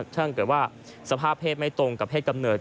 ถ้าสภาพเพศไม่ตรงกับเพศกำเนิด